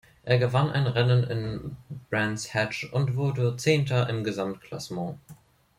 Er gewann ein Rennen in Brands Hatch und wurde Zehnter im Gesamtklassement.